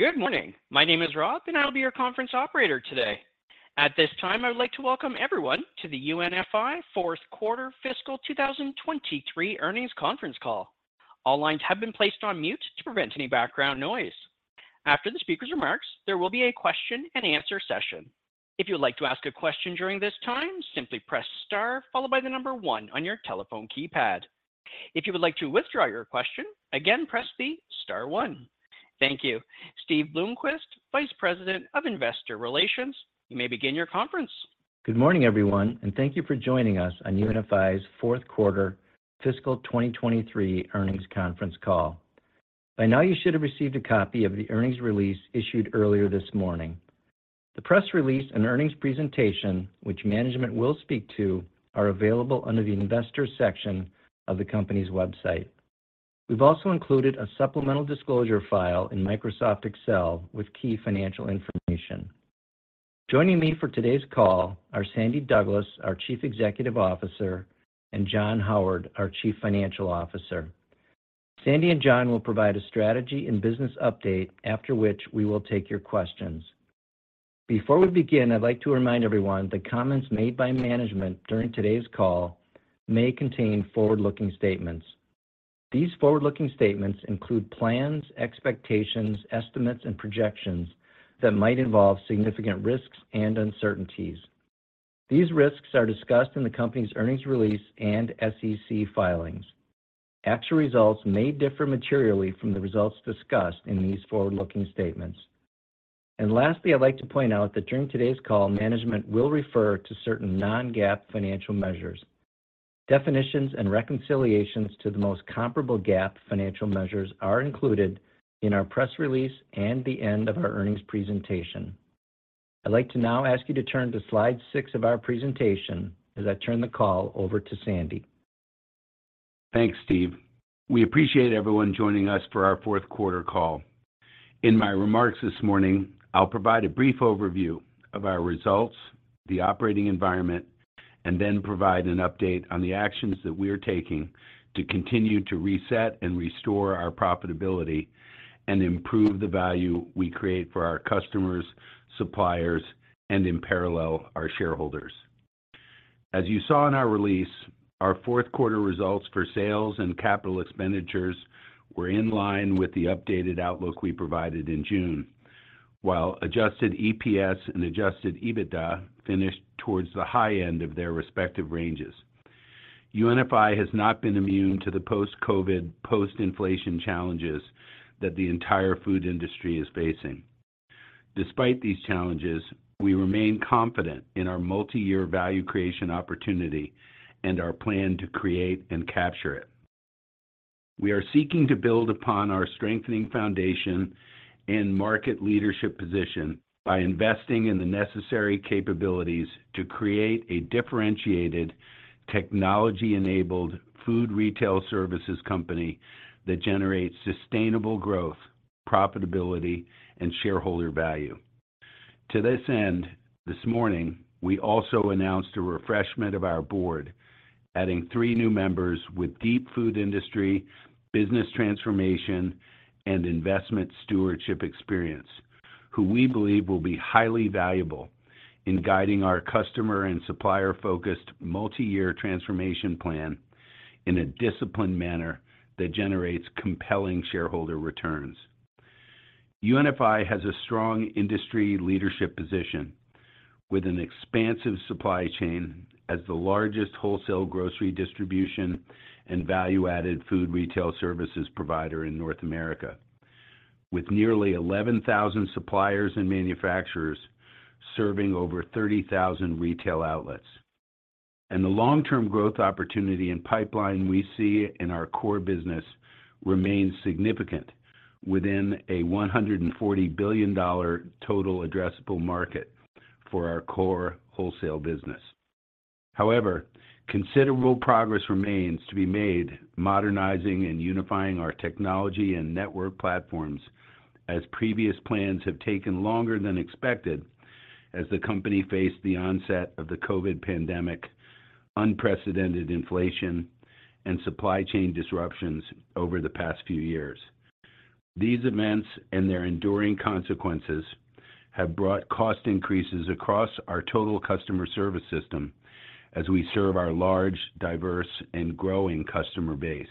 Good morning. My name is Rob, and I'll be your conference operator today. At this time, I would like to welcome everyone to the UNFI Q4 Fiscal 2023 Earnings Conference Call. All lines have been placed on mute to prevent any background noise. After the speaker's remarks, there will be a question and answer session. If you would like to ask a question during this time, simply press Star followed by the number one on your telephone keypad. If you would like to withdraw your question, again, press the Star one. Thank you. Steve Bloomquist, Vice President of Investor Relations, you may begin your conference. Good morning, everyone, and thank you for joining us on UNFI's Q4 fiscal 2023 earnings conference call. By now, you should have received a copy of the earnings release issued earlier this morning. The press release and earnings presentation, which management will speak to, are available under the Investors section of the company's website. We've also included a supplemental disclosure file in Microsoft Excel with key financial information. Joining me for today's call are Sandy Douglas, our Chief Executive Officer, and John Howard, our Chief Financial Officer. Sandy and John will provide a strategy and business update, after which we will take your questions. Before we begin, I'd like to remind everyone that comments made by management during today's call may contain forward-looking statements. These forward-looking statements include plans, expectations, estimates, and projections that might involve significant risks and uncertainties. These risks are discussed in the company's earnings release and SEC filings. Actual results may differ materially from the results discussed in these forward-looking statements. And lastly, I'd like to point out that during today's call, management will refer to certain non-GAAP financial measures. Definitions and reconciliations to the most comparable GAAP financial measures are included in our press release and the end of our earnings presentation. I'd like to now ask you to turn to slide six of our presentation as I turn the call over to Sandy. Thanks, Steve. We appreciate everyone joining us for our Q4 call. In my remarks this morning, I'll provide a brief overview of our results, the operating environment, and then provide an update on the actions that we are taking to continue to reset and restore our profitability and improve the value we create for our customers, suppliers, and in parallel, our shareholders. As you saw in our release, our Q4 results for sales and capital expenditures were in line with the updated outlook we provided in June, while Adjusted EPS and Adjusted EBITDA finished towards the high end of their respective ranges. UNFI has not been immune to the post-COVID, post-inflation challenges that the entire food industry is facing. Despite these challenges, we remain confident in our multi-year value creation opportunity and our plan to create and capture it. We are seeking to build upon our strengthening foundation and market leadership position by investing in the necessary capabilities to create a differentiated, technology-enabled food retail services company that generates sustainable growth, profitability, and shareholder value. To this end, this morning, we also announced a refreshment of our board, adding three new members with deep food industry, business transformation, and investment stewardship experience, who we believe will be highly valuable in guiding our customer and supplier-focused multi-year transformation plan in a disciplined manner that generates compelling shareholder returns. UNFI has a strong industry leadership position with an expansive supply chain as the largest wholesale grocery distribution and value-added food retail services provider in North America, with nearly 11,000 suppliers and manufacturers serving over 30,000 retail outlets. The long-term growth opportunity and pipeline we see in our core business remains significant within a $140 billion total addressable market for our core wholesale business. However, considerable progress remains to be made modernizing and unifying our technology and network platforms, as previous plans have taken longer than expected as the company faced the onset of the COVID pandemic, unprecedented inflation, and supply chain disruptions over the past few years. These events and their enduring consequences have brought cost increases across our total customer service system as we serve our large, diverse, and growing customer base.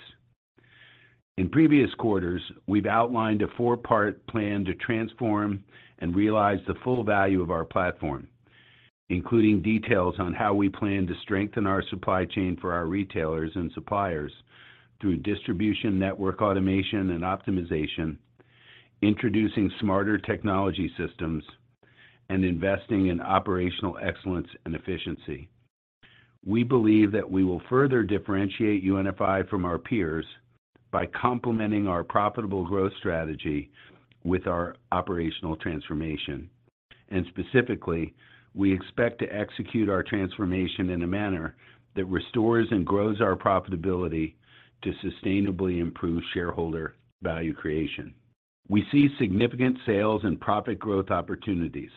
In previous quarters, we've outlined a four-part plan to transform and realize the full value of our platform, including details on how we plan to strengthen our supply chain for our retailers and suppliers through distribution network automation and optimization, introducing smarter technology systems, and investing in operational excellence and efficiency. We believe that we will further differentiate UNFI from our peers by complementing our profitable growth strategy with our operational transformation. Specifically, we expect to execute our transformation in a manner that restores and grows our profitability to sustainably improve shareholder value creation. We see significant sales and profit growth opportunities...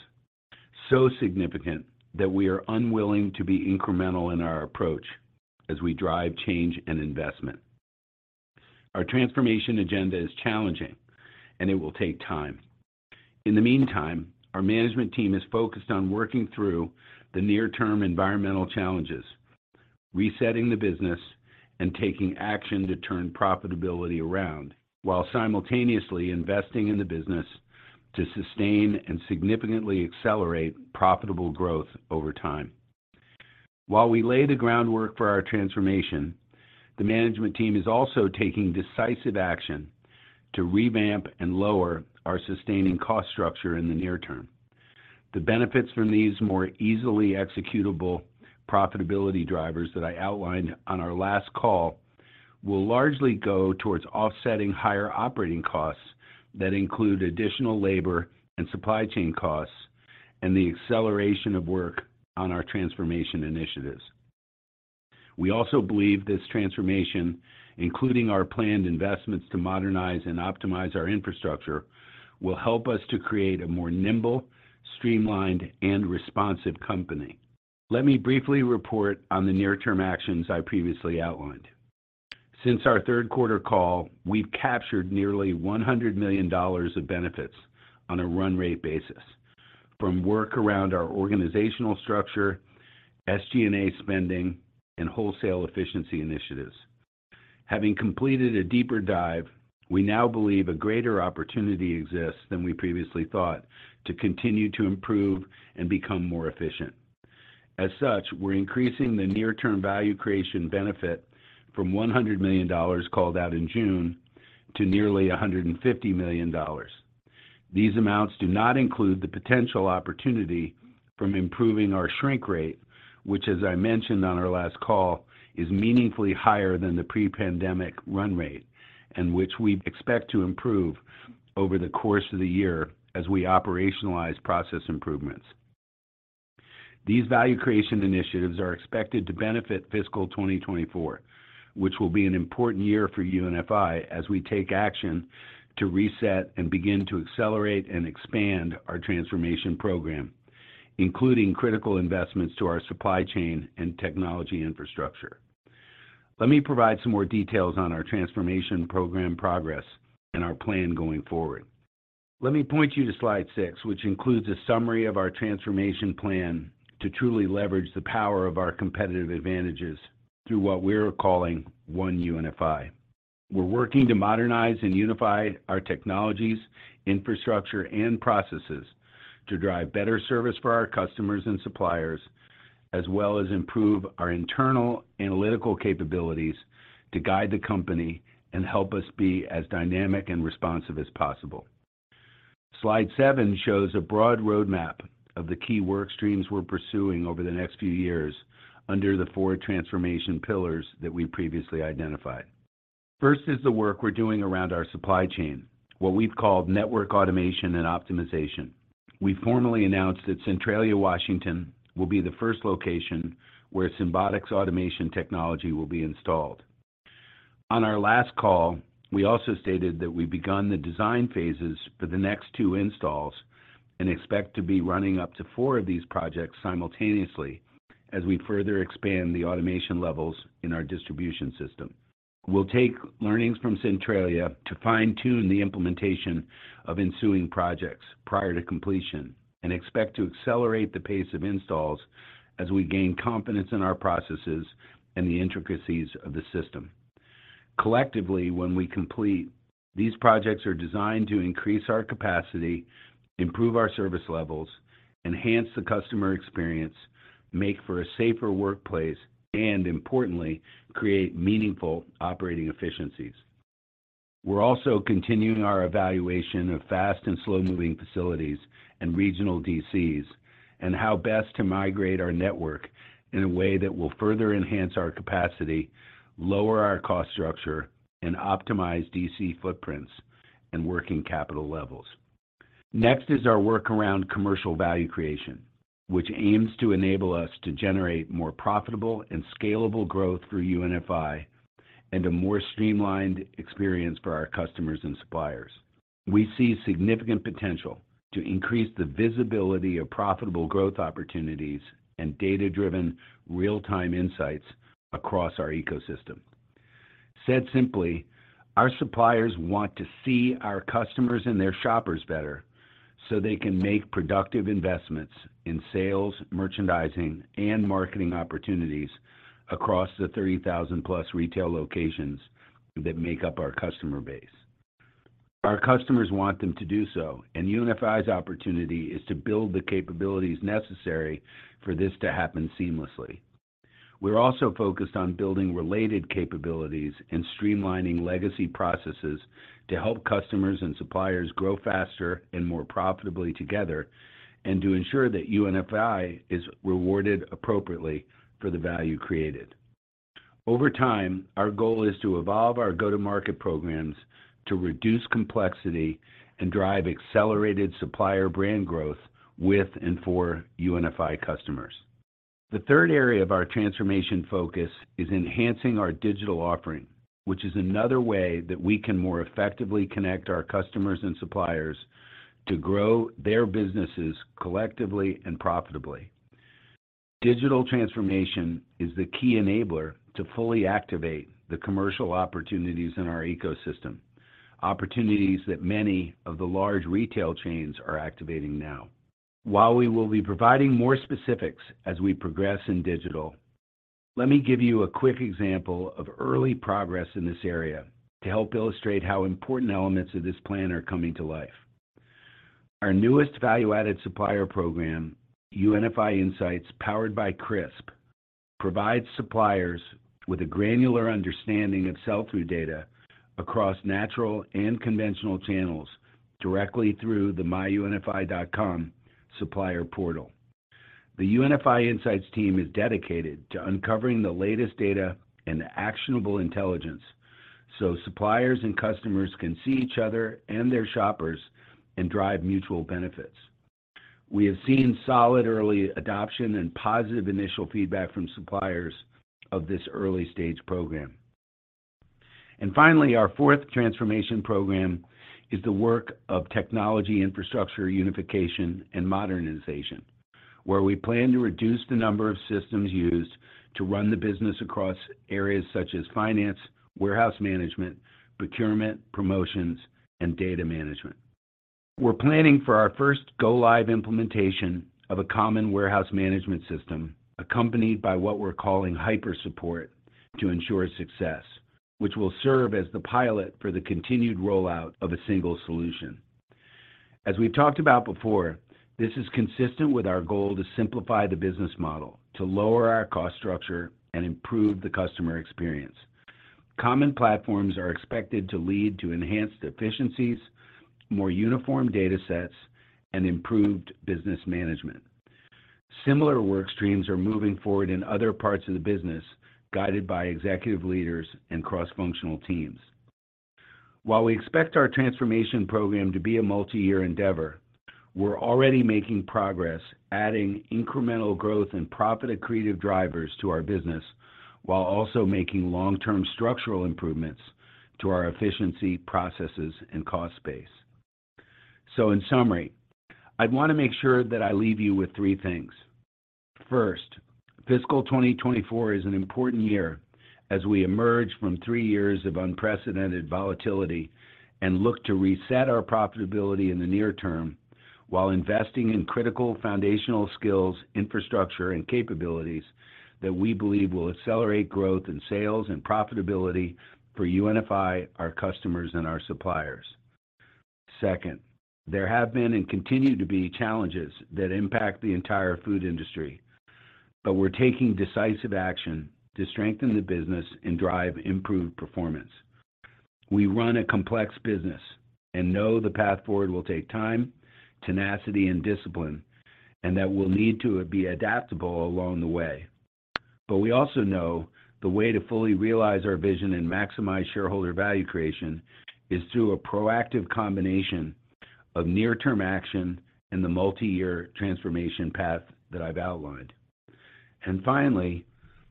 so significant that we are unwilling to be incremental in our approach as we drive change and investment. Our transformation agenda is challenging, and it will take time. In the meantime, our management team is focused on working through the near-term environmental challenges, resetting the business, and taking action to turn profitability around, while simultaneously investing in the business to sustain and significantly accelerate profitable growth over time. While we lay the groundwork for our transformation, the management team is also taking decisive action to revamp and lower our sustaining cost structure in the near term. The benefits from these more easily executable profitability drivers that I outlined on our last call, will largely go towards offsetting higher operating costs that include additional labor and supply chain costs, and the acceleration of work on our transformation initiatives. We also believe this transformation, including our planned investments to modernize and optimize our infrastructure, will help us to create a more nimble, streamlined, and responsive company. Let me briefly report on the near-term actions I previously outlined. Since our Q3 call, we've captured nearly $100 million of benefits on a run rate basis, from work around our organizational structure, SG&A spending, and wholesale efficiency initiatives. Having completed a deeper dive, we now believe a greater opportunity exists than we previously thought, to continue to improve and become more efficient. As such, we're increasing the near-term value creation benefit from $100 million, called out in June, to nearly $150 million. These amounts do not include the potential opportunity from improving our shrink rate, which, as I mentioned on our last call, is meaningfully higher than the pre-pandemic run rate, and which we expect to improve over the course of the year as we operationalize process improvements. These value creation initiatives are expected to benefit fiscal 2024, which will be an important year for UNFI as we take action to reset and begin to accelerate and expand our transformation program, including critical investments to our supply chain and technology infrastructure. Let me provide some more details on our transformation program progress and our plan going forward. Let me point you to slide six, which includes a summary of our transformation plan to truly leverage the power of our competitive advantages through what we're calling One UNFI. We're working to modernize and unify our technologies, infrastructure, and processes to drive better service for our customers and suppliers, as well as improve our internal analytical capabilities to guide the company and help us be as dynamic and responsive as possible. Slide seven shows a broad roadmap of the key work streams we're pursuing over the next few years under the four transformation pillars that we previously identified. First is the work we're doing around our supply chain, what we've called network automation and optimization. We formally announced that Centralia, Washington, will be the first location where Symbotic's automation technology will be installed. On our last call, we also stated that we've begun the design phases for the next two installs, and expect to be running up to four of these projects simultaneously as we further expand the automation levels in our distribution system. We'll take learnings from Centralia to fine-tune the implementation of ensuing projects prior to completion, and expect to accelerate the pace of installs as we gain confidence in our processes and the intricacies of the system. Collectively, when we complete, these projects are designed to increase our capacity, improve our service levels, enhance the customer experience, make for a safer workplace, and importantly, create meaningful operating efficiencies. We're also continuing our evaluation of fast and slow-moving facilities and regional DCs, and how best to migrate our network in a way that will further enhance our capacity, lower our cost structure, and optimize DC footprints and working capital levels. Next is our work around commercial value creation, which aims to enable us to generate more profitable and scalable growth for UNFI, and a more streamlined experience for our customers and suppliers. We see significant potential to increase the visibility of profitable growth opportunities and data-driven real-time insights across our ecosystem. Said simply, our suppliers want to see our customers and their shoppers better, so they can make productive investments in sales, merchandising, and marketing opportunities across the 30,000+ retail locations that make up our customer base. Our customers want them to do so, and UNFI's opportunity is to build the capabilities necessary for this to happen seamlessly. We're also focused on building related capabilities and streamlining legacy processes to help customers and suppliers grow faster and more profitably together, and to ensure that UNFI is rewarded appropriately for the value created. Over time, our goal is to evolve our go-to-market programs to reduce complexity and drive accelerated supplier brand growth with and for UNFI customers.... The third area of our transformation focus is enhancing our digital offering, which is another way that we can more effectively connect our customers and suppliers to grow their businesses collectively and profitably. Digital transformation is the key enabler to fully activate the commercial opportunities in our ecosystem, opportunities that many of the large retail chains are activating now. While we will be providing more specifics as we progress in digital, let me give you a quick example of early progress in this area to help illustrate how important elements of this plan are coming to life. Our newest value-added supplier program, UNFI Insights, powered by Crisp, provides suppliers with a granular understanding of sell-through data across natural and conventional channels directly through the myunfi.com supplier portal. The UNFI Insights team is dedicated to uncovering the latest data and actionable intelligence, so suppliers and customers can see each other and their shoppers and drive mutual benefits. We have seen solid early adoption and positive initial feedback from suppliers of this early-stage program. Finally, our fourth transformation program is the work of technology infrastructure, unification, and modernization, where we plan to reduce the number of systems used to run the business across areas such as finance, warehouse management, procurement, promotions, and data management. We're planning for our first go-live implementation of a common warehouse management system, accompanied by what we're calling hyper support to ensure success, which will serve as the pilot for the continued rollout of a single solution. As we've talked about before, this is consistent with our goal to simplify the business model, to lower our cost structure, and improve the customer experience. Common platforms are expected to lead to enhanced efficiencies, more uniform datasets, and improved business management. Similar work streams are moving forward in other parts of the business, guided by executive leaders and cross-functional teams. While we expect our transformation program to be a multi-year endeavor, we're already making progress, adding incremental growth and profit accretive drivers to our business, while also making long-term structural improvements to our efficiency, processes, and cost base. So in summary, I'd want to make sure that I leave you with three things. First, fiscal 2024 is an important year as we emerge from three years of unprecedented volatility and look to reset our profitability in the near term while investing in critical foundational skills, infrastructure, and capabilities that we believe will accelerate growth in sales and profitability for UNFI, our customers, and our suppliers. Second, there have been and continue to be challenges that impact the entire food industry, but we're taking decisive action to strengthen the business and drive improved performance. We run a complex business and know the path forward will take time, tenacity, and discipline, and that we'll need to be adaptable along the way. But we also know the way to fully realize our vision and maximize shareholder value creation is through a proactive combination of near-term action and the multi-year transformation path that I've outlined. And finally,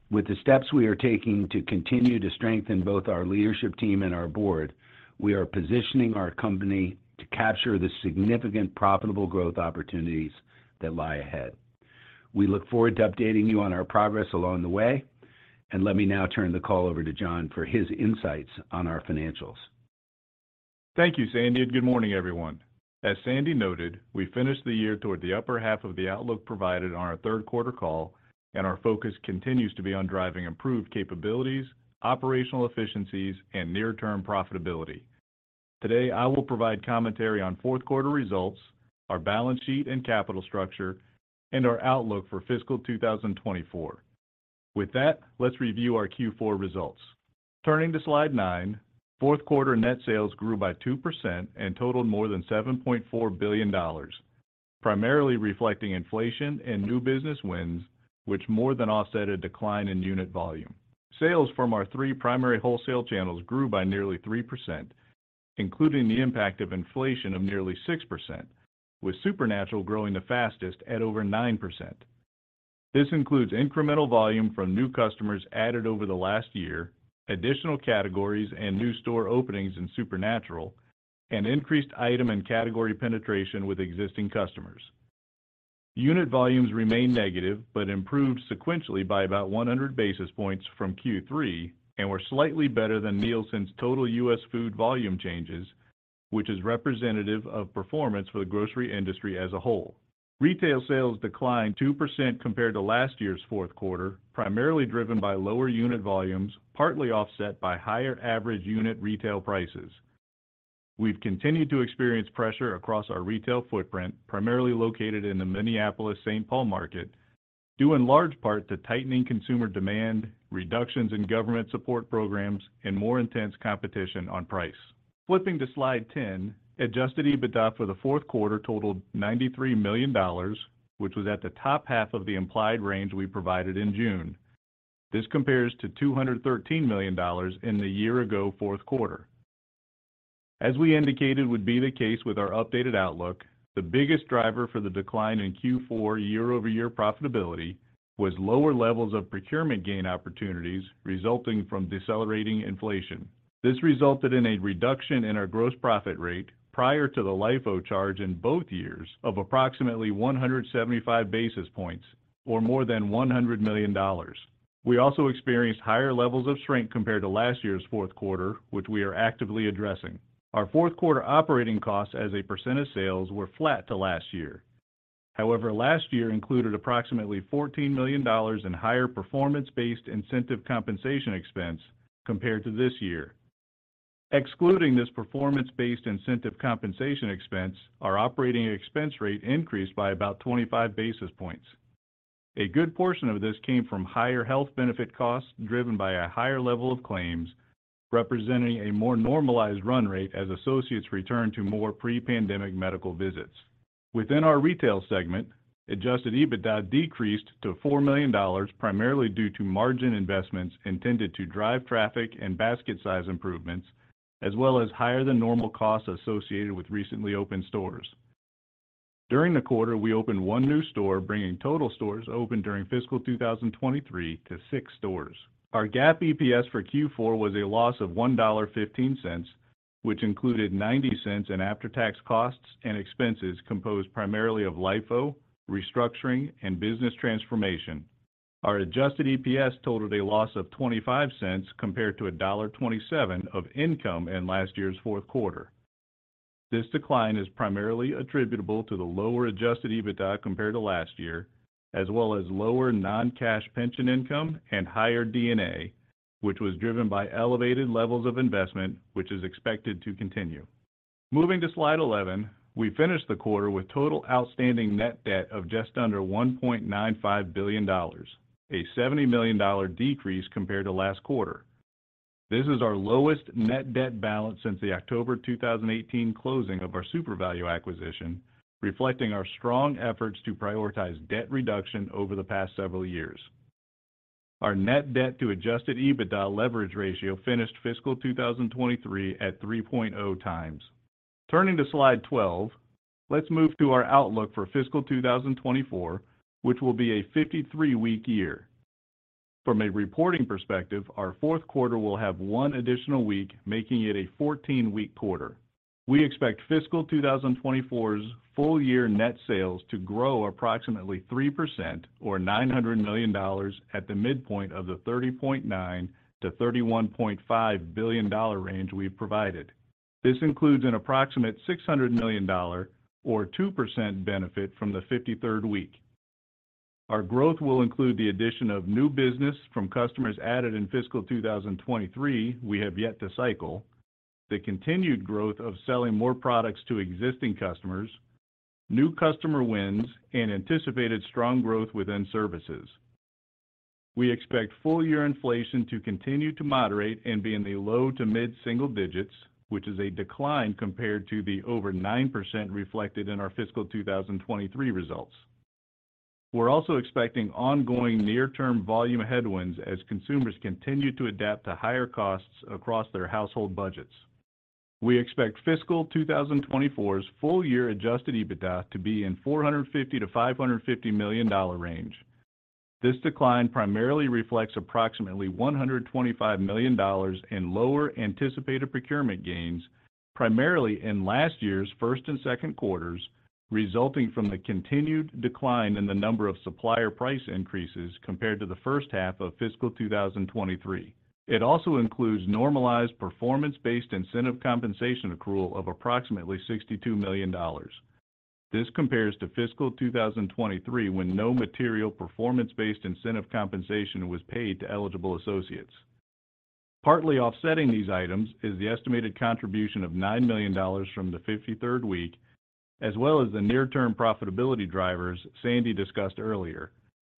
with the steps we are taking to continue to strengthen both our leadership team and our board, we are positioning our company to capture the significant profitable growth opportunities that lie ahead. We look forward to updating you on our progress along the way, and let me now turn the call over to John for his insights on our financials. Thank you, Sandy, and good morning, everyone. As Sandy noted, we finished the year toward the upper half of the outlook provided on our Q3 call, and our focus continues to be on driving improved capabilities, operational efficiencies, and near-term profitability. Today, I will provide commentary on Q4 results, our balance sheet and capital structure, and our outlook for fiscal 2024. With that, let's review our Q4 results. Turning to Slide 9, Q4 net sales grew by 2% and totaled more than $7.4 billion, primarily reflecting inflation and new business wins, which more than offset a decline in unit volume. Sales from our three primary wholesale channels grew by nearly 3%, including the impact of inflation of nearly 6%, with Supernatural growing the fastest at over 9%. This includes incremental volume from new customers added over the last year, additional categories and new store openings in Supernatural, and increased item and category penetration with existing customers. Unit volumes remained negative, but improved sequentially by about 100 basis points from Q3 and were slightly better than Nielsen's total U.S. food volume changes, which is representative of performance for the grocery industry as a whole. Retail sales declined 2% compared to last year's Q4, primarily driven by lower unit volumes, partly offset by higher average unit retail prices. We've continued to experience pressure across our retail footprint, primarily located in the Minneapolis-St. Paul market, due in large part to tightening consumer demand, reductions in government support programs, and more intense competition on price. Flipping to Slide 10, adjusted EBITDA for the Q4 totaled $93 million, which was at the top half of the implied range we provided in June. This compares to $213 million in the Q4. as we indicated would be the case with our updated outlook, the biggest driver for the decline in Q4 year-over-year profitability was lower levels of procurement gain opportunities resulting from decelerating inflation. This resulted in a reduction in our gross profit rate prior to the LIFO charge in both years of approximately 175 basis points, or more than $100 million. We also experienced higher levels of shrink compared to last year's Q4, which we are actively addressing. Our Q4 operating costs as a % of sales were flat to last year. However, last year included approximately $14 million in higher performance-based incentive compensation expense compared to this year. Excluding this performance-based incentive compensation expense, our operating expense rate increased by about 25 basis points. A good portion of this came from higher health benefit costs, driven by a higher level of claims, representing a more normalized run rate as associates return to more pre-pandemic medical visits. Within our retail segment, adjusted EBITDA decreased to $4 million, primarily due to margin investments intended to drive traffic and basket size improvements, as well as higher than normal costs associated with recently opened stores. During the quarter, we opened one new store, bringing total stores opened during fiscal 2023 to six stores. Our GAAP EPS for Q4 was a loss of $1.15, which included $0.90 in after-tax costs and expenses composed primarily of LIFO, restructuring, and business transformation. Our adjusted EPS totaled a loss of $0.25 compared to $1.27 of income in last year's Q4. This decline is primarily attributable to the lower adjusted EBITDA compared to last year, as well as lower non-cash pension income and higher D&A, which was driven by elevated levels of investment, which is expected to continue. Moving to Slide 11, we finished the quarter with total outstanding net debt of just under $1.95 billion, a $70 million decrease compared to last quarter. This is our lowest net debt balance since the October 2018 closing of our SUPERVALU acquisition, reflecting our strong efforts to prioritize debt reduction over the past several years. Our net debt to adjusted EBITDA leverage ratio finished fiscal 2023 at 3.0x. Turning to Slide 12, let's move to our outlook for fiscal 2024, which will be a 53-week year. From a reporting perspective, our Q4 will have one additional week, making it a 14-week quarter. We expect fiscal 2024's full-year net sales to grow approximately 3% or $900 million at the midpoint of the $30.9 billion-$31.5 billion range we've provided. This includes an approximate $600 million or 2% benefit from the 53rd week. Our growth will include the addition of new business from customers added in fiscal 2023, we have yet to cycle, the continued growth of selling more products to existing customers, new customer wins, and anticipated strong growth within services. We expect full-year inflation to continue to moderate and be in the low- to mid-single digits, which is a decline compared to the over 9% reflected in our fiscal 2023 results. We're also expecting ongoing near-term volume headwinds as consumers continue to adapt to higher costs across their household budgets. We expect fiscal 2024's full-year adjusted EBITDA to be in the $450 million-$550 million dollar range. This decline primarily reflects approximately $125 million in lower anticipated procurement gains, primarily in last year's first and Q2s, resulting from the continued decline in the number of supplier price increases compared to the H1 of fiscal 2023. It also includes normalized performance-based incentive compensation accrual of approximately $62 million. This compares to fiscal 2023, when no material performance-based incentive compensation was paid to eligible associates. Partly offsetting these items is the estimated contribution of $9 million from the 53rd week, as well as the near-term profitability drivers Sandy discussed earlier,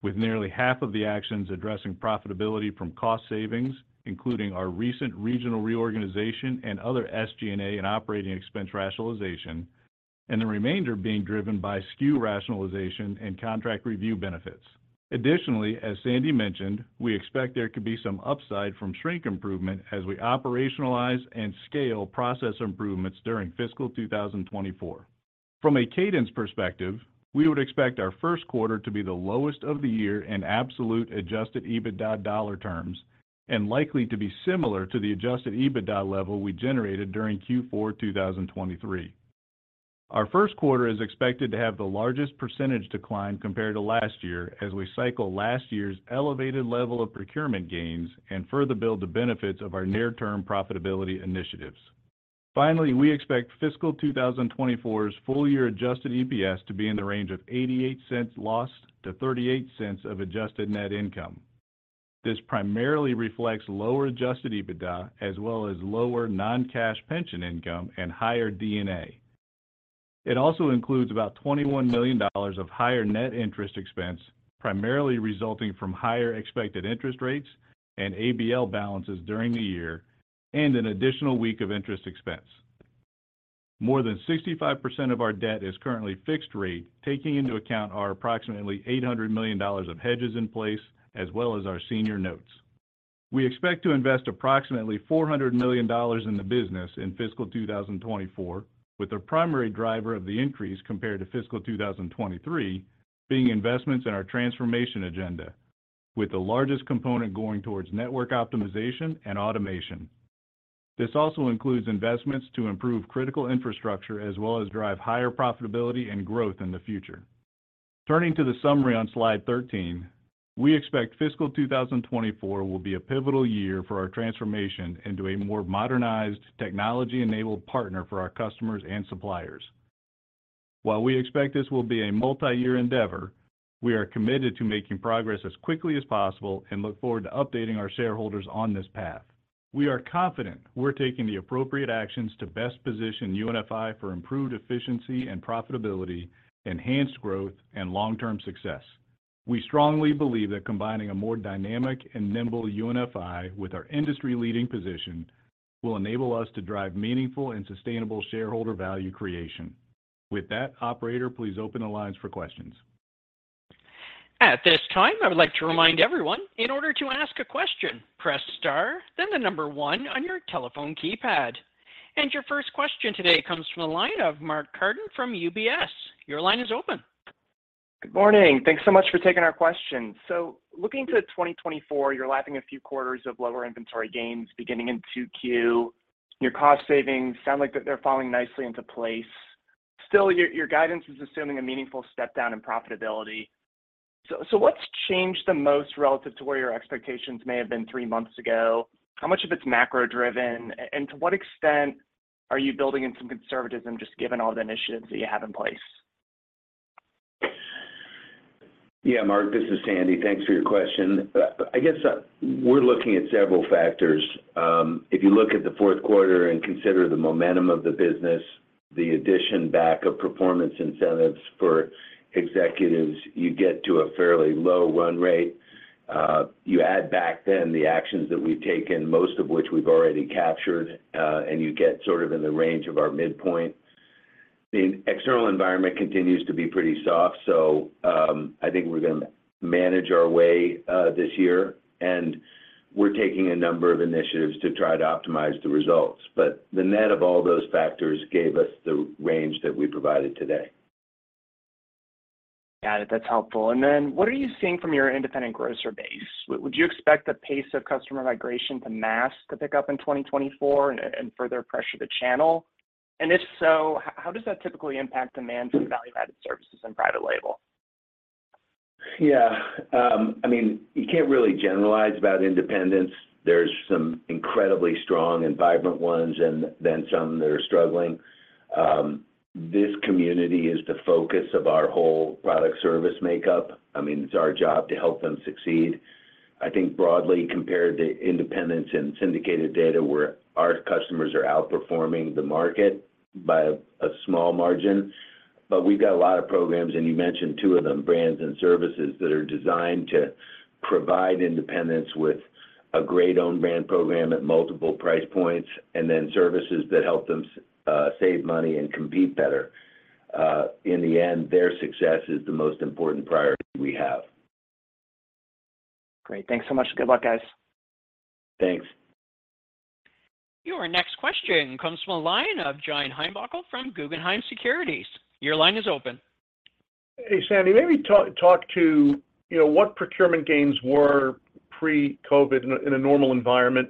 with nearly half of the actions addressing profitability from cost savings, including our recent regional reorganization and other SG&A and operating expense rationalization, and the remainder being driven by SKU rationalization and contract review benefits. Additionally, as Sandy mentioned, we expect there could be some upside from shrink improvement as we operationalize and scale process improvements during fiscal 2024. From a cadence perspective, we would expect our Q1 to be the lowest of the year in absolute adjusted EBITDA dollar terms and likely to be similar to the adjusted EBITDA level we generated during Q4 2023. Our Q1 is expected to have the largest percentage decline compared to last year as we cycle last year's elevated level of procurement gains and further build the benefits of our near-term profitability initiatives. Finally, we expect fiscal 2024's full-year adjusted EPS to be in the range of $0.88-$0.38 of adjusted net income. This primarily reflects lower adjusted EBITDA, as well as lower non-cash pension income and higher D&A. It also includes about $21 million of higher net interest expense, primarily resulting from higher expected interest rates and ABL balances during the year and an additional week of interest expense.... More than 65% of our debt is currently fixed rate, taking into account our approximately $800 million of hedges in place, as well as our senior notes. We expect to invest approximately $400 million in the business in fiscal 2024, with the primary driver of the increase compared to fiscal 2023 being investments in our transformation agenda, with the largest component going towards network optimization and automation. This also includes investments to improve critical infrastructure, as well as drive higher profitability and growth in the future. Turning to the summary on slide 13, we expect fiscal 2024 will be a pivotal year for our transformation into a more modernized, technology-enabled partner for our customers and suppliers. While we expect this will be a multi-year endeavor, we are committed to making progress as quickly as possible and look forward to updating our shareholders on this path. We are confident we're taking the appropriate actions to best position UNFI for improved efficiency and profitability, enhanced growth, and long-term success. We strongly believe that combining a more dynamic and nimble UNFI with our industry-leading position will enable us to drive meaningful and sustainable shareholder value creation. With that, operator, please open the lines for questions. At this time, I would like to remind everyone, in order to ask a question, press star, then the number one on your telephone keypad. Your first question today comes from the line of Mark Carden from UBS. Your line is open. Good morning. Thanks so much for taking our question. So looking to 2024, you're lapping a few quarters of lower inventory gains beginning in 2Q. Your cost savings sound like they're falling nicely into place. Still, your, your guidance is assuming a meaningful step down in profitability. So, so what's changed the most relative to where your expectations may have been three months ago? How much of it's macro-driven, and to what extent are you building in some conservatism, just given all the initiatives that you have in place? Yeah, Mark, this is Sandy. Thanks for your question. I guess, we're looking at several factors. If you look at the Q4 and consider the momentum of the business, the addition back of performance incentives for executives, you get to a fairly low run rate. You add back then the actions that we've taken, most of which we've already captured, and you get sort of in the range of our midpoint. The external environment continues to be pretty soft, so I think we're gonna manage our way this year, and we're taking a number of initiatives to try to optimize the results. But the net of all those factors gave us the range that we provided today. Yeah, that's helpful. And then what are you seeing from your independent grocer base? Would you expect the pace of customer migration to mass to pick up in 2024 and further pressure the channel? And if so, how does that typically impact demand for value-added services and private label? Yeah. I mean, you can't really generalize about independents. There's some incredibly strong and vibrant ones and then some that are struggling. This community is the focus of our whole product service makeup. I mean, it's our job to help them succeed. I think broadly, compared to independents and syndicated data, our customers are outperforming the market by a small margin. But we've got a lot of programs, and you mentioned two of them, brands and services, that are designed to provide independents with a great own brand program at multiple price points, and then services that help them save money and compete better. In the end, their success is the most important priority we have. Great. Thanks so much. Good luck, guys. Thanks. Your next question comes from a line of John Heinbockel from Guggenheim Securities. Your line is open. Hey, Sandy, maybe talk, talk to, you know, what procurement gains were pre-COVID in a, in a normal environment,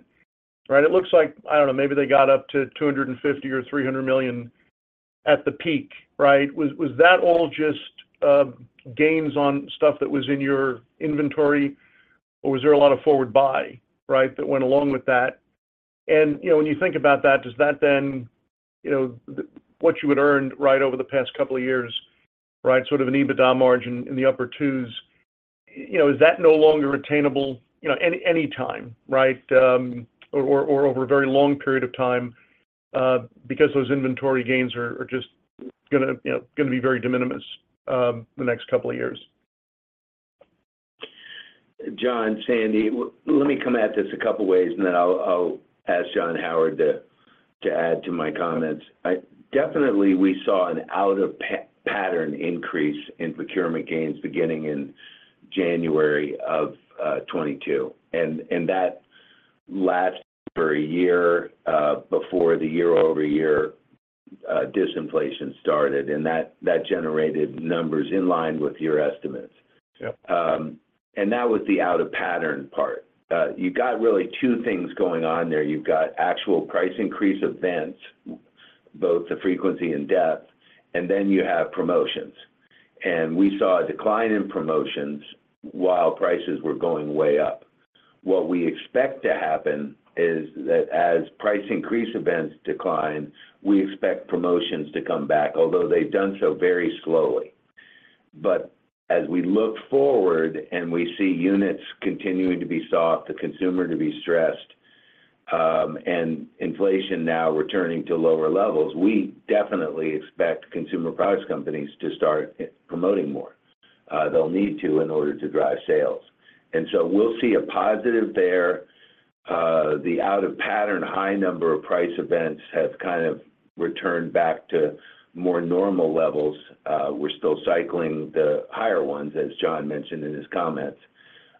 right? It looks like, I don't know, maybe they got up to $250 million or $300 million at the peak, right? Was, was that all just, gains on stuff that was in your inventory, or was there a lot of forward buy, right, that went along with that? And, you know, when you think about that, does that then, you know, the—what you had earned right over the past couple of years, right, sort of an EBITDA margin in the upper twos, you know, is that no longer attainable, you know, any, anytime, right? Over a very long period of time, because those inventory gains are just gonna, you know, be very de minimis the next couple of years. John, Sandy, let me come at this a couple ways, and then I'll ask John Howard to add to my comments. I definitely, we saw an out-of-pattern increase in procurement gains beginning in January of 2022, and that lasted for a year before the year-over-year disinflation started, and that generated numbers in line with your estimates. Yep. That was the out-of-pattern part. You got really two things going on there. You've got actual price increase events, both the frequency and depth, and then you have promotions. We saw a decline in promotions while prices were going way up. What we expect to happen is that as price increase events decline, we expect promotions to come back, although they've done so very slowly. But as we look forward and we see units continuing to be soft, the consumer to be stressed, and inflation now returning to lower levels, we definitely expect consumer products companies to start promoting more. They'll need to in order to drive sales. And so we'll see a positive there. The out-of-pattern high number of price events has kind of returned back to more normal levels. We're still cycling the higher ones, as John mentioned in his comments.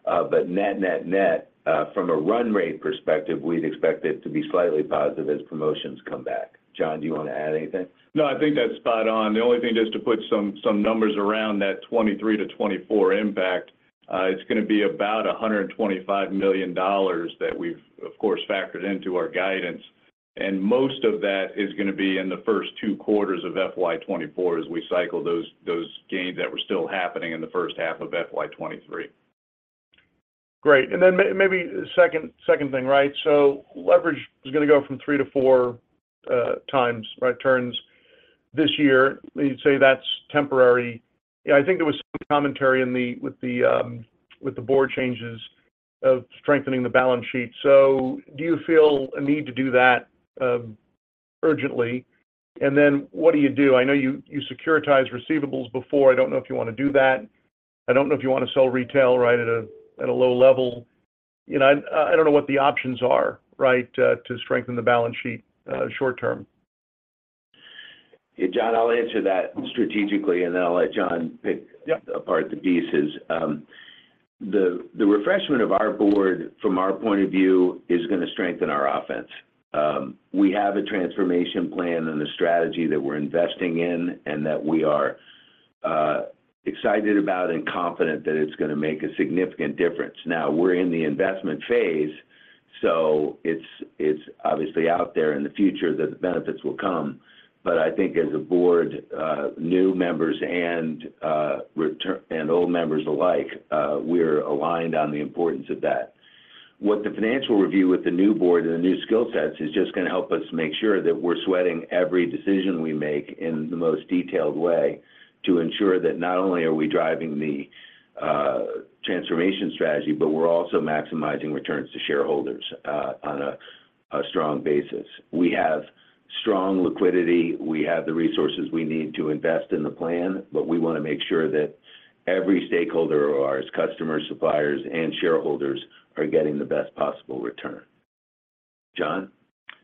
But net, net, net, from a run rate perspective, we'd expect it to be slightly positive as promotions come back. John, do you want to add anything? No, I think that's spot on. The only thing just to put some numbers around that 2023-2024 impact, it's gonna be about $125 million that we've, of course, factored into our guidance, and most of that is gonna be in the first two quarters of FY 2024 as we cycle those gains that were still happening in the H1 of FY 2023. Great. And then maybe the second, second thing, right? So leverage is gonna go from three to four times, right, turns this year. You'd say that's temporary. I think there was some commentary in the with the, with the board changes of strengthening the balance sheet. So do you feel a need to do that, urgently? And then what do you do? I know you, you securitized receivables before. I don't know if you want to do that. I don't know if you want to sell retail right at a, at a low level. You know, I, I don't know what the options are, right, to strengthen the balance sheet, short term. Yeah, John, I'll answer that strategically, and then I'll let John pick- Yep... apart the pieces. The refreshment of our board, from our point of view, is gonna strengthen our offense. We have a transformation plan and a strategy that we're investing in, and that we are excited about and confident that it's gonna make a significant difference. Now, we're in the investment phase, so it's obviously out there in the future that the benefits will come. But I think as a board, new members and returning and old members alike, we're aligned on the importance of that. What the financial review with the new board and the new skill sets is just gonna help us make sure that we're sweating every decision we make in the most detailed way to ensure that not only are we driving the transformation strategy, but we're also maximizing returns to shareholders on a strong basis. We have strong liquidity, we have the resources we need to invest in the plan, but we wanna make sure that every stakeholder of ours, customers, suppliers, and shareholders, are getting the best possible return. John?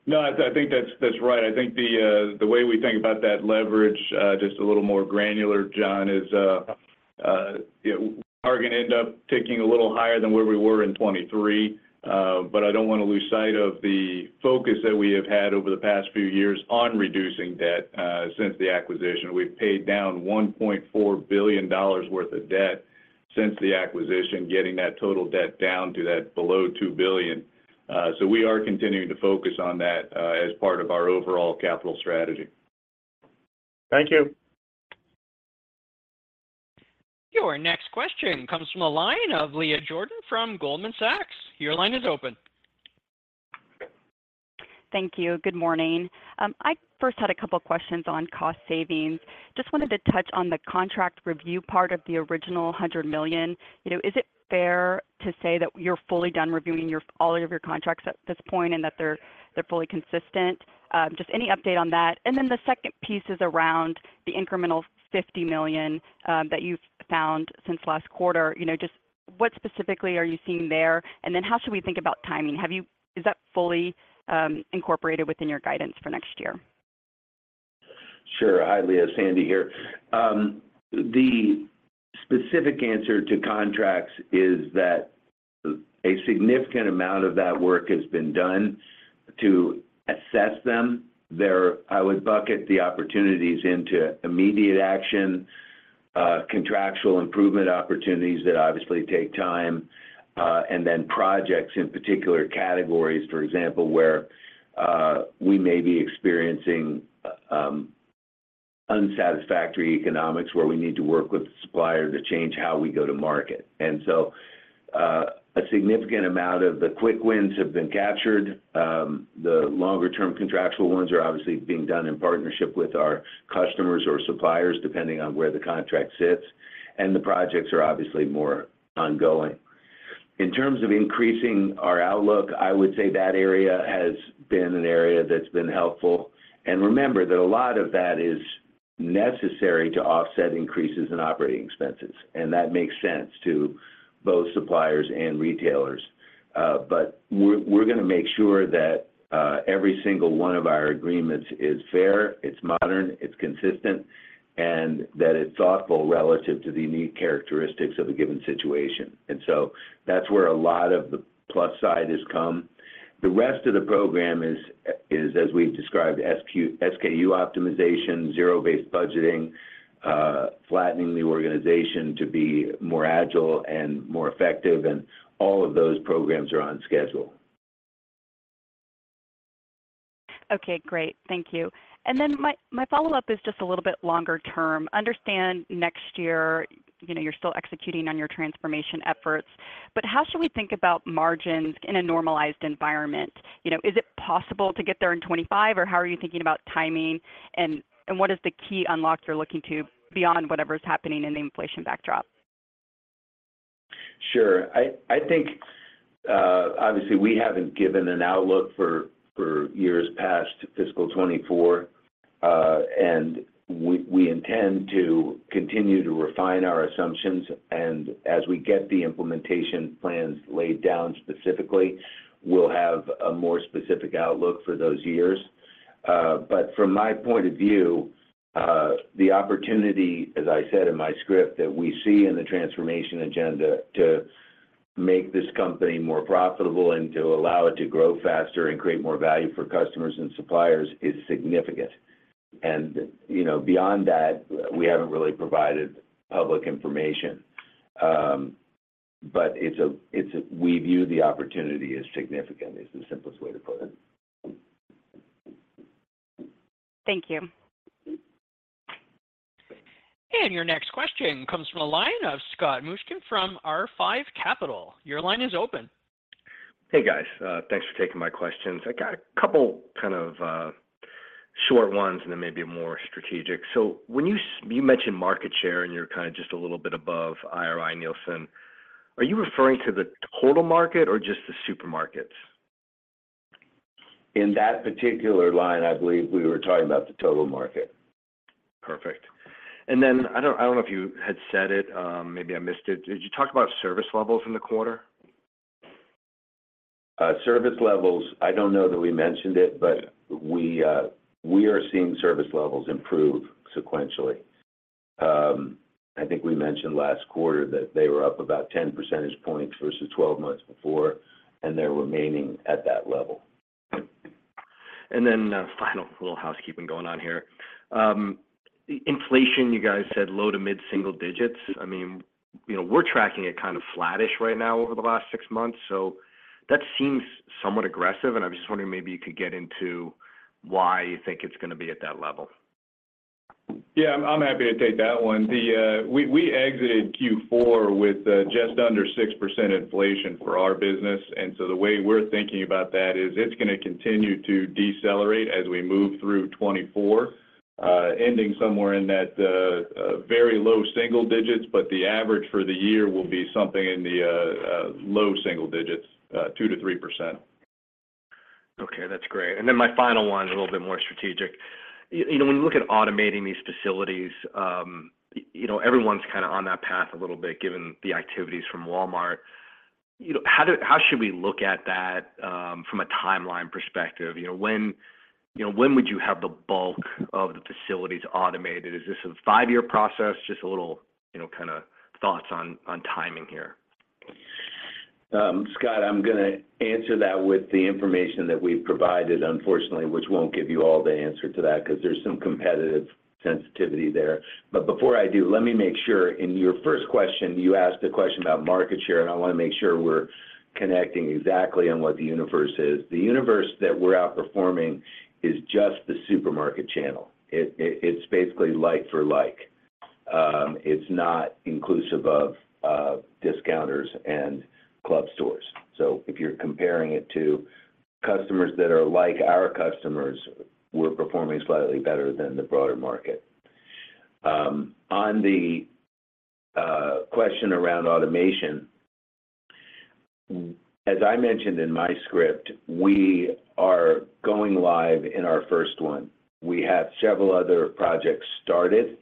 No, I think that's right. I think the way we think about that leverage just a little more granular, John, is, you know, we're gonna end up ticking a little higher than where we were in 2023. But I don't wanna lose sight of the focus that we have had over the past few years on reducing debt since the acquisition. We've paid down $1.4 billion worth of debt since the acquisition, getting that total debt down to below $2 billion. So we are continuing to focus on that as part of our overall capital strategy. Thank you. Your next question comes from the line of Leah Jordan from Goldman Sachs. Your line is open. Thank you. Good morning. I first had a couple of questions on cost savings. Just wanted to touch on the contract review part of the original $100 million. You know, is it fair to say that you're fully done reviewing all of your contracts at this point, and that they're fully consistent? Just any update on that. And then the second piece is around the incremental $50 million that you've found since last quarter. You know, just what specifically are you seeing there? And then how should we think about timing? Is that fully incorporated within your guidance for next year? Sure. Hi, Leah. Sandy here. The specific answer to contracts is that a significant amount of that work has been done to assess them. I would bucket the opportunities into immediate action, contractual improvement opportunities that obviously take time, and then projects in particular categories, for example, where we may be experiencing unsatisfactory economics, where we need to work with the supplier to change how we go to market. And so, a significant amount of the quick wins have been captured. The longer-term contractual ones are obviously being done in partnership with our customers or suppliers, depending on where the contract sits, and the projects are obviously more ongoing. In terms of increasing our outlook, I would say that area has been an area that's been helpful. Remember that a lot of that is necessary to offset increases in operating expenses, and that makes sense to both suppliers and retailers. But we're gonna make sure that every single one of our agreements is fair, it's modern, it's consistent, and that it's thoughtful relative to the unique characteristics of a given situation. And so that's where a lot of the plus side has come. The rest of the program is, as we've described, SKU optimization, zero-based budgeting, flattening the organization to be more agile and more effective, and all of those programs are on schedule. Okay, great. Thank you. And then my, my follow-up is just a little bit longer term. Understand next year, you know, you're still executing on your transformation efforts, but how should we think about margins in a normalized environment? You know, is it possible to get there in 2025, or how are you thinking about timing, and, and what is the key unlocks you're looking to beyond whatever is happening in the inflation backdrop?... Sure. I think, obviously, we haven't given an outlook for years past fiscal 2024, and we intend to continue to refine our assumptions. And as we get the implementation plans laid down specifically, we'll have a more specific outlook for those years. But from my point of view, the opportunity, as I said in my script, that we see in the transformation agenda to make this company more profitable and to allow it to grow faster and create more value for customers and suppliers, is significant. And, you know, beyond that, we haven't really provided public information. But it's a -- we view the opportunity as significant, is the simplest way to put it. Thank you. Your next question comes from the line of Scott Mushkin from R5 Capital. Your line is open. Hey, guys. Thanks for taking my questions. I got a couple kind of, short ones and then maybe a more strategic. So when you mentioned market share, and you're kind of just a little bit above IRI, Nielsen, are you referring to the total market or just the supermarkets? In that particular line, I believe we were talking about the total market. Perfect. And then, I don't know if you had said it, maybe I missed it. Did you talk about service levels in the quarter? Service levels, I don't know that we mentioned it, but we are seeing service levels improve sequentially. I think we mentioned last quarter that they were up about 10 percentage points versus 12 months before, and they're remaining at that level. And then, final little housekeeping going on here. Inflation, you guys said low to mid-single digits. I mean, you know, we're tracking it kind of flattish right now over the last six months, so that seems somewhat aggressive, and I'm just wondering maybe you could get into why you think it's gonna be at that level. Yeah, I'm happy to take that one. We exited Q4 with just under 6% inflation for our business, and so the way we're thinking about that is it's gonna continue to decelerate as we move through 2024, ending somewhere in that very low single digits, but the average for the year will be something in the low single digits, 2%-3%. Okay, that's great. And then my final one is a little bit more strategic. You know, when you look at automating these facilities, you know, everyone's kind of on that path a little bit, given the activities from Walmart. You know, how should we look at that, from a timeline perspective? You know, when, you know, when would you have the bulk of the facilities automated? Is this a five-year process? Just a little, you know, kind of thoughts on, on timing here. Scott, I'm gonna answer that with the information that we've provided, unfortunately, which won't give you all the answer to that, 'cause there's some competitive sensitivity there. But before I do, let me make sure, in your first question, you asked a question about market share, and I want to make sure we're connecting exactly on what the universe is. The universe that we're outperforming is just the supermarket channel. It's basically like for like, it's not inclusive of discounters and club stores. So if you're comparing it to customers that are like our customers, we're performing slightly better than the broader market. On the question around automation, as I mentioned in my script, we are going live in our first one. We have several other projects started.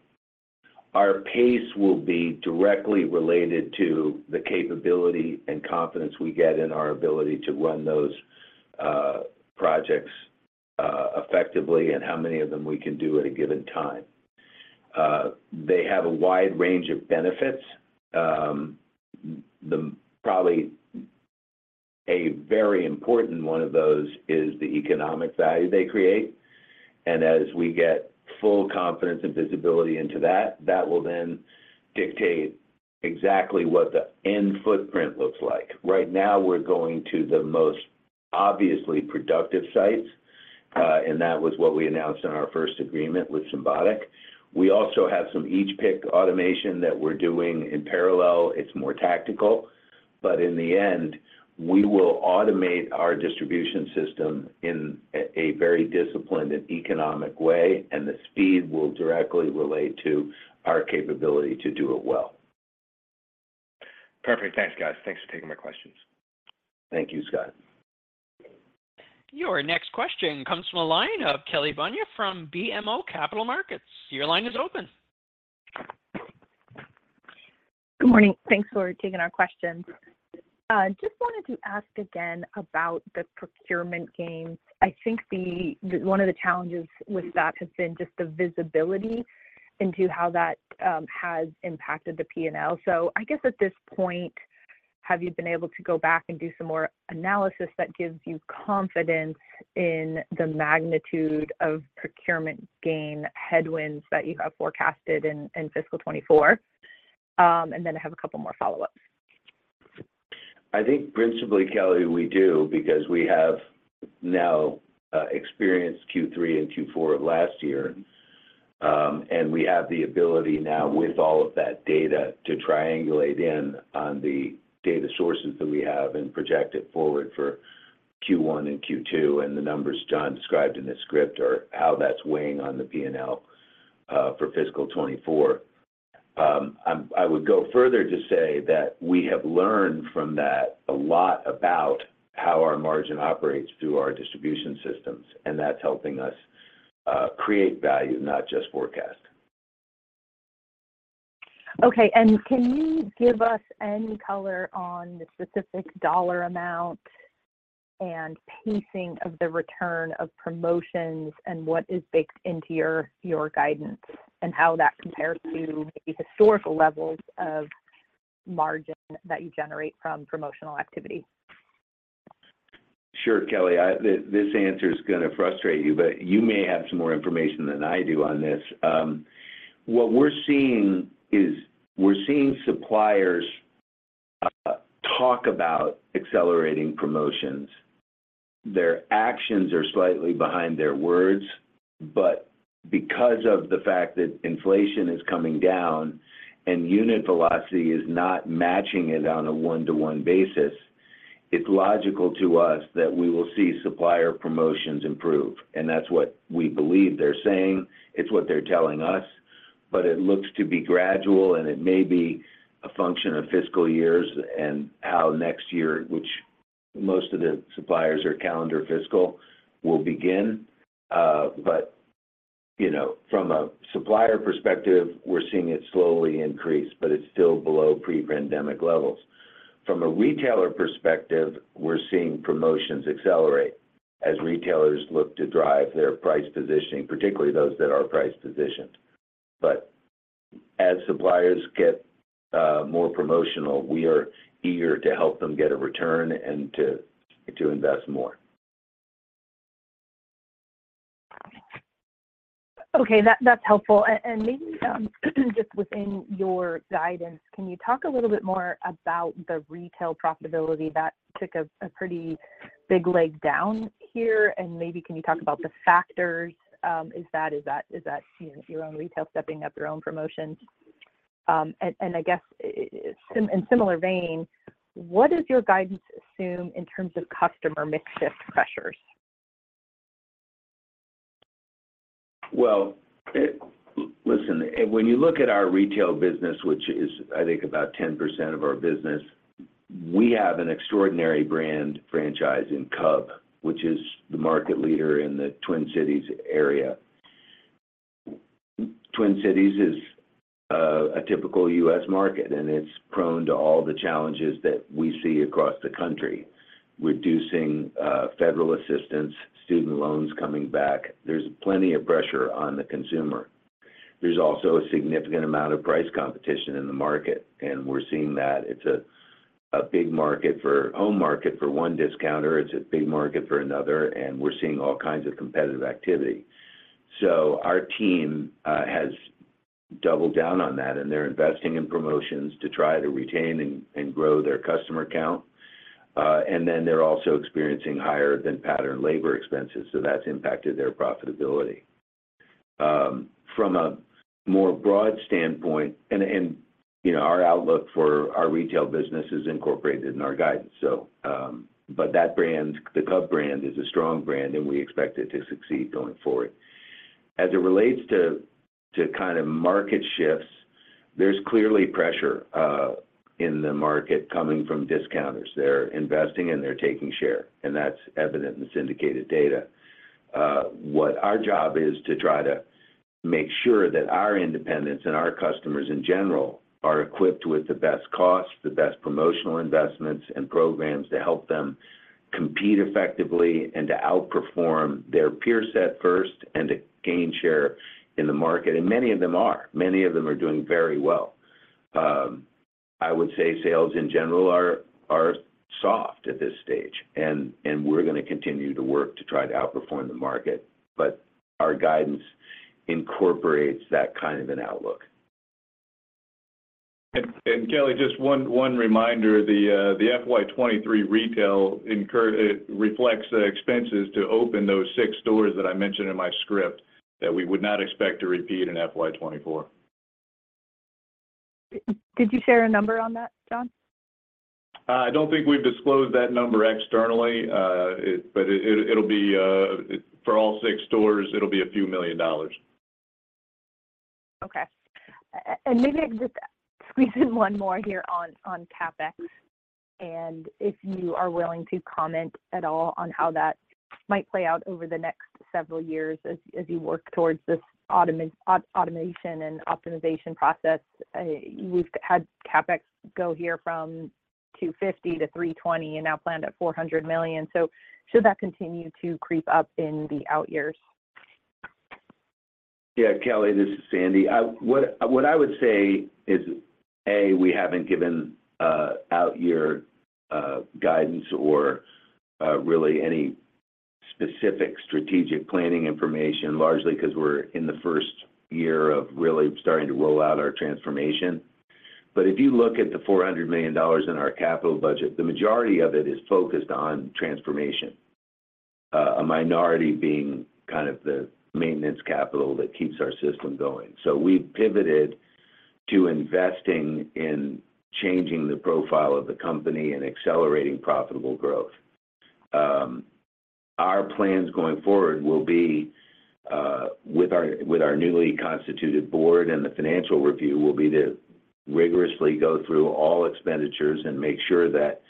Our pace will be directly related to the capability and confidence we get in our ability to run those projects effectively, and how many of them we can do at a given time. They have a wide range of benefits. Probably a very important one of those is the economic value they create, and as we get full confidence and visibility into that, that will then dictate exactly what the end footprint looks like. Right now, we're going to the most obviously productive sites, and that was what we announced in our first agreement with Symbotic. We also have some each pick automation that we're doing in parallel. It's more tactical, but in the end, we will automate our distribution system in a very disciplined and economic way, and the speed will directly relate to our capability to do it well. Perfect. Thanks, guys. Thanks for taking my questions. Thank you, Scott. Your next question comes from the line of Kelly Bania from BMO Capital Markets. Your line is open. Good morning. Thanks for taking our questions. Just wanted to ask again about the procurement gains. I think the one of the challenges with that has been just the visibility into how that has impacted the P&L. So I guess at this point, have you been able to go back and do some more analysis that gives you confidence in the magnitude of procurement gain headwinds that you have forecasted in fiscal 2024? And then I have a couple more follow-ups. I think principally, Kelly, we do because we have now experienced Q3 and Q4 of last year. And we have the ability now with all of that data to triangulate in on the data sources that we have and project it forward for Q1 and Q2, and the numbers John described in the script are how that's weighing on the P&L for fiscal 2024. I would go further to say that we have learned from that a lot about how our margin operates through our distribution systems, and that's helping us create value, not just forecast. Okay, and can you give us any color on the specific dollar amount and pacing of the return of promotions, and what is baked into your guidance? And how that compares to the historical levels of margin that you generate from promotional activity? Sure, Kelly. This answer is gonna frustrate you, but you may have some more information than I do on this. What we're seeing is we're seeing suppliers talk about accelerating promotions. Their actions are slightly behind their words, but because of the fact that inflation is coming down and unit velocity is not matching it on a one-to-one basis, it's logical to us that we will see supplier promotions improve, and that's what we believe they're saying. It's what they're telling us. But it looks to be gradual, and it may be a function of fiscal years and how next year, which most of the suppliers are calendar fiscal, will begin. But, you know, from a supplier perspective, we're seeing it slowly increase, but it's still below pre-pandemic levels. From a retailer perspective, we're seeing promotions accelerate as retailers look to drive their price positioning, particularly those that are price positioned. But as suppliers get more promotional, we are eager to help them get a return and to invest more. Okay, that's helpful. And maybe just within your guidance, can you talk a little bit more about the retail profitability that took a pretty big leg down here? And maybe can you talk about the factors? Is that, you know, your own retail stepping up their own promotions? And I guess in similar vein, what does your guidance assume in terms of customer mix shift pressures? Well, listen, when you look at our retail business, which is, I think, about 10% of our business, we have an extraordinary brand franchise in Cub, which is the market leader in the Twin Cities area. Twin Cities is a typical U.S. market, and it's prone to all the challenges that we see across the country. Reducing federal assistance, student loans coming back. There's plenty of pressure on the consumer. There's also a significant amount of price competition in the market, and we're seeing that. It's a big market for home market for one discounter, it's a big market for another, and we're seeing all kinds of competitive activity. So our team has doubled down on that, and they're investing in promotions to try to retain and grow their customer count. And then they're also experiencing higher than pattern labor expenses, so that's impacted their profitability. From a more broad standpoint, you know, our outlook for our retail business is incorporated in our guidance. So, but that brand, the Cub brand, is a strong brand, and we expect it to succeed going forward. As it relates to kind of market shifts, there's clearly pressure in the market coming from discounters. They're investing, and they're taking share, and that's evident in the syndicated data. What our job is to try to make sure that our independents and our customers in general are equipped with the best cost, the best promotional investments and programs to help them compete effectively and to outperform their peer set first and to gain share in the market. And many of them are. Many of them are doing very well. I would say sales in general are soft at this stage, and we're gonna continue to work to try to outperform the market, but our guidance incorporates that kind of an outlook. Kelly, just one reminder, the FY 2023 retail incurred—it reflects the expenses to open those six stores that I mentioned in my script, that we would not expect to repeat in FY 2024. Did you share a number on that, John? I don't think we've disclosed that number externally. But it, it'll be for all six stores, it'll be a few million. Okay. And maybe I just squeeze in one more here on CapEx, and if you are willing to comment at all on how that might play out over the next several years as you work towards this automation and optimization process. We've had CapEx go here from $250 million-$320 million and now planned at $400 million. So should that continue to creep up in the out years? Yeah, Kelly, this is Sandy. What I would say is, A, we haven't given out-year guidance or really any specific strategic planning information, largely 'cause we're in the first year of really starting to roll out our transformation. But if you look at the $400 million in our capital budget, the majority of it is focused on transformation. A minority being kind of the maintenance capital that keeps our system going. So we've pivoted to investing in changing the profile of the company and accelerating profitable growth. Our plans going forward will be with our newly constituted board, and the financial review will be to rigorously go through all expenditures and make sure that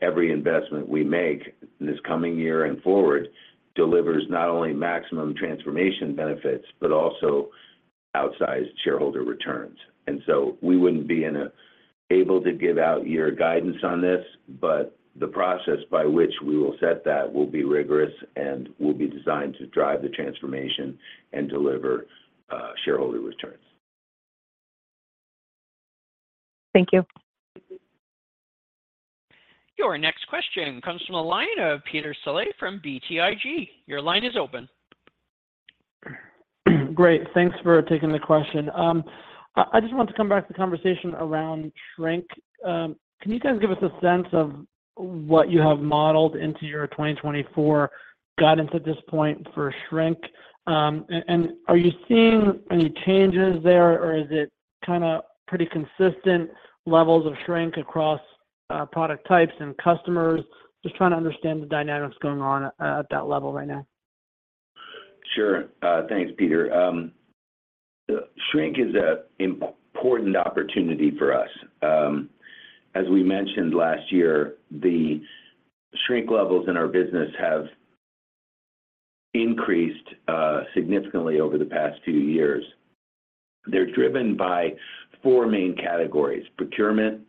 every investment we make this coming year and forward delivers not only maximum transformation benefits, but also outsized shareholder returns. So we wouldn't be able to give out year guidance on this, but the process by which we will set that will be rigorous and will be designed to drive the transformation and deliver shareholder returns. Thank you. Your next question comes from the line of Peter Saleh from BTIG. Your line is open. Great. Thanks for taking the question. I just want to come back to the conversation around shrink. Can you guys give us a sense of what you have modeled into your 2024 guidance at this point for shrink? And are you seeing any changes there, or is it kind of pretty consistent levels of shrink across product types and customers? Just trying to understand the dynamics going on at that level right now. Sure. Thanks, Peter. Shrink is an important opportunity for us. As we mentioned last year, the shrink levels in our business have increased significantly over the past two years. They're driven by four main categories: procurement,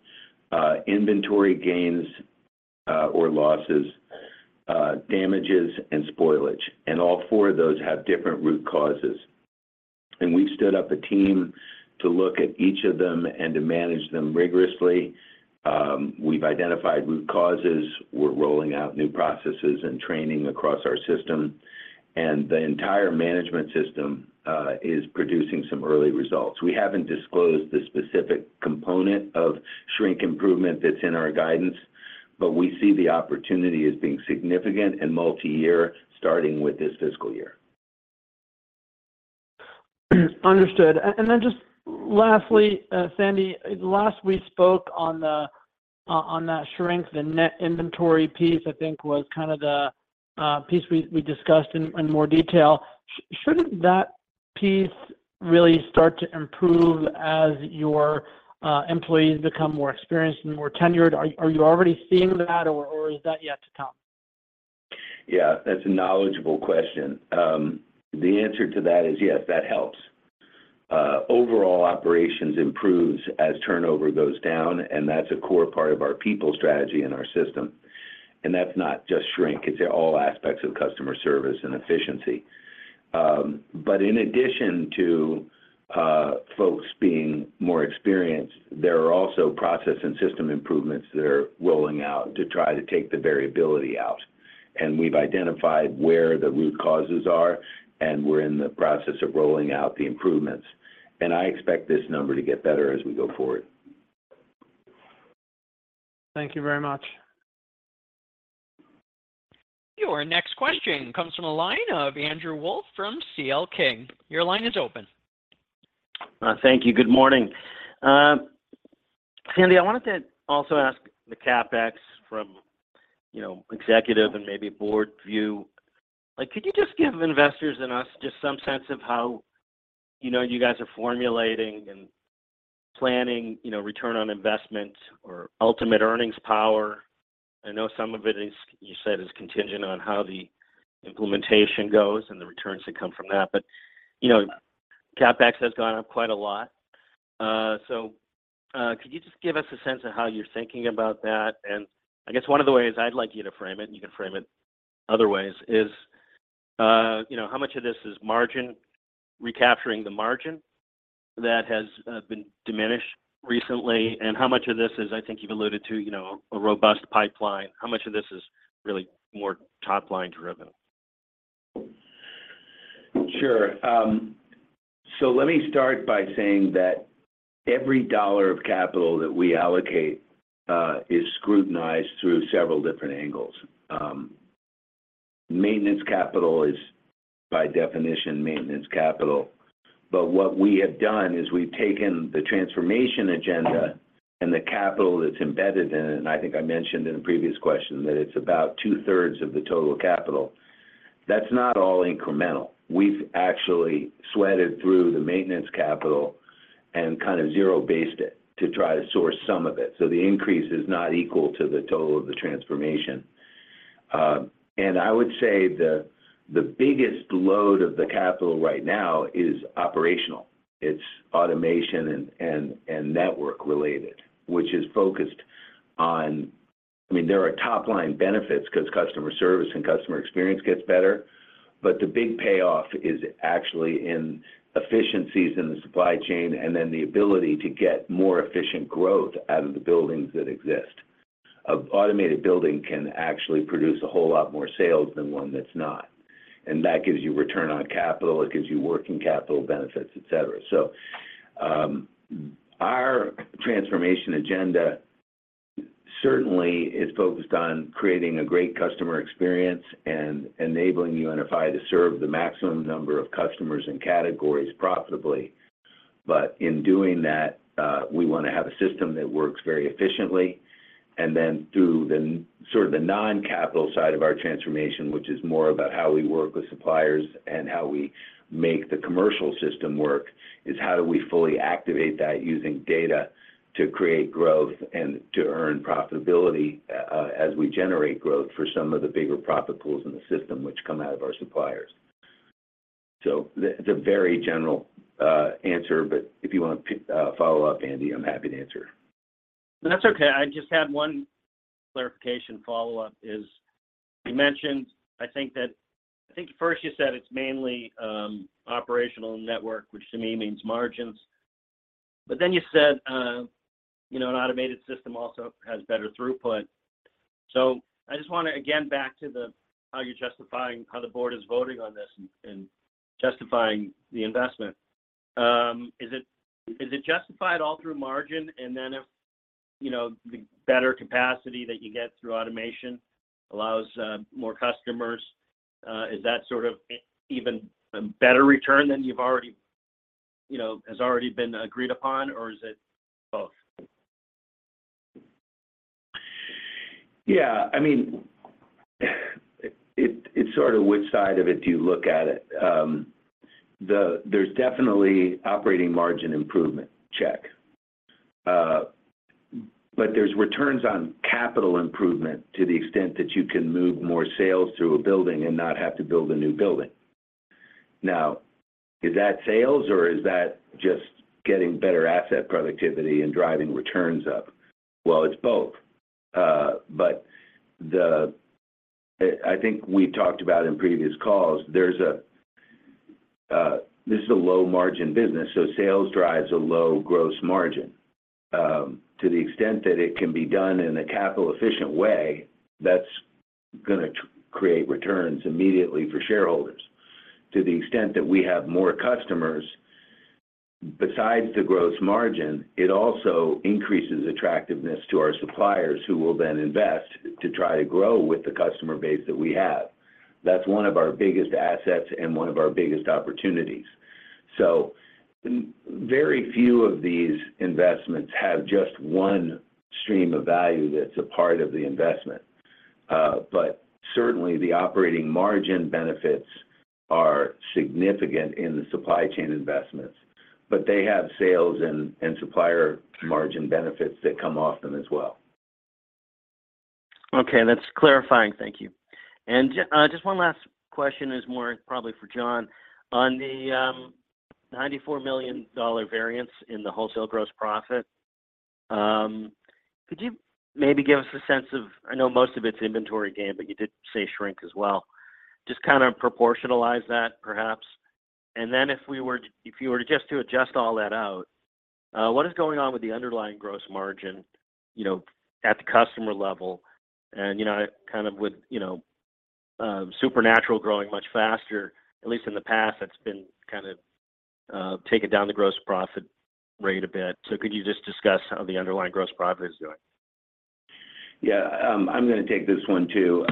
inventory gains or losses, damages, and spoilage. And all four of those have different root causes. And we've stood up a team to look at each of them and to manage them rigorously. We've identified root causes. We're rolling out new processes and training across our system, and the entire management system is producing some early results. We haven't disclosed the specific component of shrink improvement that's in our guidance, but we see the opportunity as being significant and multiyear, starting with this fiscal year. Understood. And then just lastly, Sandy, last we spoke on that shrink, the net inventory piece, I think, was kind of the piece we discussed in more detail. Shouldn't that piece really start to improve as your employees become more experienced and more tenured? Are you already seeing that, or is that yet to come? Yeah, that's a knowledgeable question. The answer to that is yes, that helps. Overall operations improves as turnover goes down, and that's a core part of our people strategy and our system, and that's not just shrink. It's all aspects of customer service and efficiency. But in addition to folks being more experienced, there are also process and system improvements that are rolling out to try to take the variability out, and we've identified where the root causes are, and we're in the process of rolling out the improvements, and I expect this number to get better as we go forward. Thank you very much. Your next question comes from the line of Andrew Wolf from CL King. Your line is open. Thank you. Good morning. Sandy, I wanted to also ask the CapEx from, you know, executive and maybe board view. Like, could you just give investors and us just some sense of how, you know, you guys are formulating and planning, you know, return on investment or ultimate earnings power? I know some of it is, you said, is contingent on how the implementation goes and the returns that come from that, but, you know, CapEx has gone up quite a lot. So, could you just give us a sense of how you're thinking about that? I guess one of the ways I'd like you to frame it, and you can frame it other ways, is, you know, how much of this is margin, recapturing the margin that has been diminished recently, and how much of this is, I think you've alluded to, you know, a robust pipeline? How much of this is really more top-line driven? Sure. So let me start by saying that every dollar of capital that we allocate is scrutinized through several different angles. Maintenance capital is, by definition, maintenance capital, but what we have done is we've taken the transformation agenda and the capital that's embedded in it, and I think I mentioned in a previous question that it's about two-thirds of the total capital. That's not all incremental. We've actually sweated through the maintenance capital and kind of zero-based it to try to source some of it. So the increase is not equal to the total of the transformation. And I would say the biggest load of the capital right now is operational. It's automation and network related, which is focused on... I mean, there are top-line benefits because customer service and customer experience gets better, but the big payoff is actually in efficiencies in the supply chain and then the ability to get more efficient growth out of the buildings that exist. An automated building can actually produce a whole lot more sales than one that's not.... and that gives you return on capital, it gives you working capital benefits, et cetera. So, our transformation agenda certainly is focused on creating a great customer experience and enabling UNFI to serve the maximum number of customers and categories profitably. But in doing that, we want to have a system that works very efficiently. And then, through the sort of the non-capital side of our transformation, which is more about how we work with suppliers and how we make the commercial system work, is how do we fully activate that using data to create growth and to earn profitability, as we generate growth for some of the bigger profit pools in the system, which come out of our suppliers. So it's a very general answer, but if you want to follow up, Andy, I'm happy to answer. That's okay. I just had one clarification follow-up, as you mentioned, I think first you said it's mainly operational network, which to me means margins. But then you said, you know, an automated system also has better throughput. So I just want to, again, back to the, how you're justifying how the board is voting on this and, and justifying the investment. Is it, is it justified all through margin? And then if, you know, the better capacity that you get through automation allows more customers, is that sort of even a better return than you've already, you know, has already been agreed upon, or is it both? Yeah. I mean, it, it's sort of which side of it do you look at it. There's definitely operating margin improvement. Check. But there's returns on capital improvement to the extent that you can move more sales through a building and not have to build a new building. Now, is that sales or is that just getting better asset productivity and driving returns up? Well, it's both. But the, I think we talked about in previous calls, there's a, this is a low margin business, so sales drives a low gross margin. To the extent that it can be done in a capital efficient way, that's going to create returns immediately for shareholders. To the extent that we have more customers, besides the gross margin, it also increases attractiveness to our suppliers, who will then invest to try to grow with the customer base that we have. That's one of our biggest assets and one of our biggest opportunities. So very few of these investments have just one stream of value that's a part of the investment. But certainly, the operating margin benefits are significant in the supply chain investments, but they have sales and, and supplier margin benefits that come off them as well. Okay, that's clarifying. Thank you. And just one last question is more probably for John. On the $94 million variance in the wholesale gross profit, could you maybe give us a sense of... I know most of it's inventory gain, but you did say shrink as well. Just kind of proportionalize that, perhaps. And then if we were to if you were to just to adjust all that out, what is going on with the underlying gross margin, you know, at the customer level? And, you know, kind of with, you know, Supernatural growing much faster, at least in the past, that's been kind of taken down the gross profit rate a bit. So could you just discuss how the underlying gross profit is doing? Yeah, I'm going to take this one, too.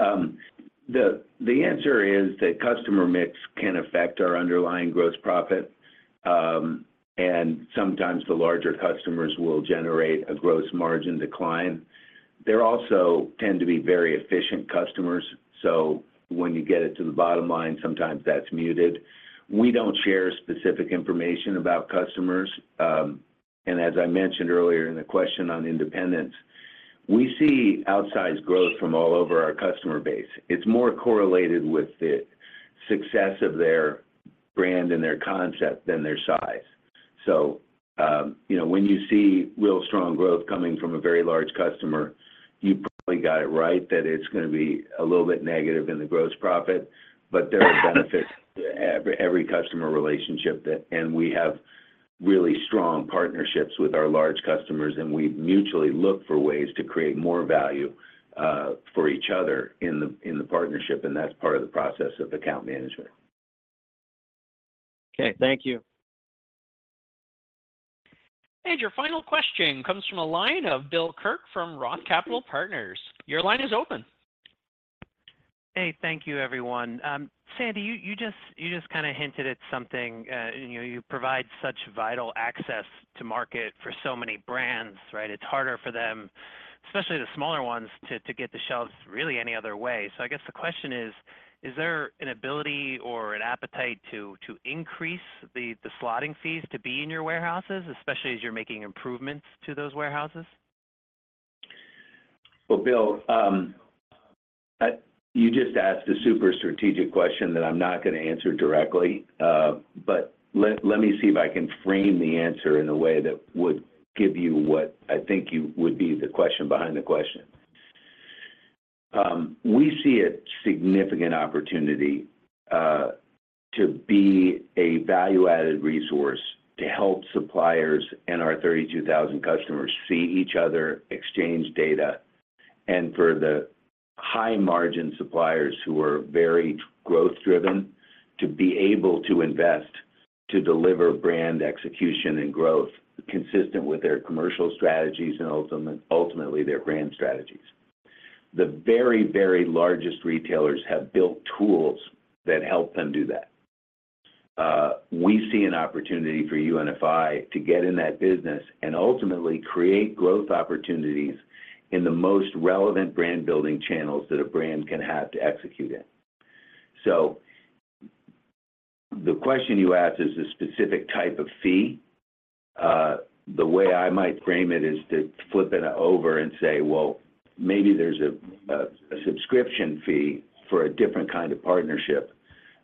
The answer is that customer mix can affect our underlying gross profit, and sometimes the larger customers will generate a gross margin decline. They also tend to be very efficient customers, so when you get it to the bottom line, sometimes that's muted. We don't share specific information about customers, and as I mentioned earlier in the question on independence, we see outsized growth from all over our customer base. It's more correlated with the success of their brand and their concept than their size. So, you know, when you see real strong growth coming from a very large customer, you probably got it right, that it's going to be a little bit negative in the gross profit. There are benefits to every customer relationship, and we have really strong partnerships with our large customers, and we mutually look for ways to create more value for each other in the partnership, and that's part of the process of account management. Okay, thank you. Your final question comes from a line of Bill Kirk from Roth Capital Partners. Your line is open. Hey, thank you, everyone. Sandy, you just kind of hinted at something, and, you know, you provide such vital access to market for so many brands, right? It's harder for them, especially the smaller ones, to get the shelves really any other way. So I guess the question is: Is there an ability or an appetite to increase the slotting fees to be in your warehouses, especially as you're making improvements to those warehouses? Well, Bill, you just asked a super strategic question that I'm not going to answer directly. But let me see if I can frame the answer in a way that would give you what I think you would be the question behind the question. We see a significant opportunity to be a value-added resource to help suppliers and our 32,000 customers see each other, exchange data... and for the high-margin suppliers who are very growth-driven to be able to invest, to deliver brand execution and growth consistent with their commercial strategies and ultimately their brand strategies. The very, very largest retailers have built tools that help them do that. We see an opportunity for UNFI to get in that business and ultimately create growth opportunities in the most relevant brand-building channels that a brand can have to execute in. The question you asked is a specific type of fee. The way I might frame it is to flip it over and say, well, maybe there's a subscription fee for a different kind of partnership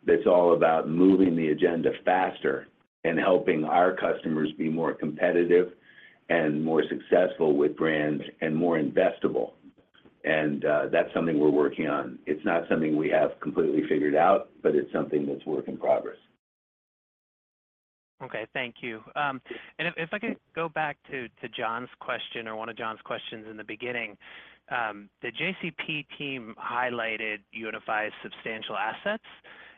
that's all about moving the agenda faster and helping our customers be more competitive and more successful with brands and more investable. That's something we're working on. It's not something we have completely figured out, but it's something that's a work in progress. Okay, thank you. And if I could go back to John's question or one of John's questions in the beginning, the JCP team highlighted UNFI's substantial assets,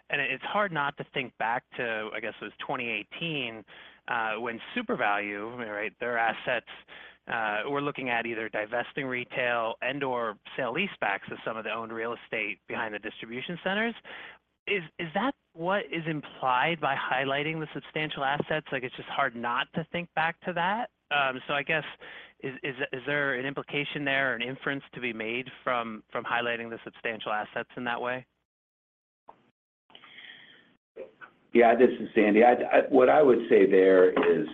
and it's hard not to think back to, I guess, it was 2018, when SuperValu, right, their assets were looking at either divesting retail and/or sale-leasebacks of some of their own real estate behind the distribution centers. Is that what is implied by highlighting the substantial assets? Like, it's just hard not to think back to that. So I guess, is there an implication there or an inference to be made from highlighting the substantial assets in that way? Yeah, this is Sandy. What I would say there is,